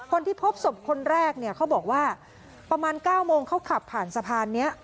คนที่พบศพคนแรกเนี่ยเขาบอกว่าประมาณ๙โมงเขาขับผ่านสะพานนี้